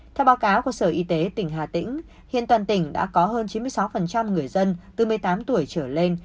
theo báo cáo của sở y tế tỉnh hà tĩnh hiện toàn tỉnh đã có hơn chín mươi sáu người dân từ một mươi tám tuổi trở lên